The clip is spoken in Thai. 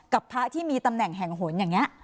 กับพระที่มีตำแหน่งแห่งหนอย่างนี้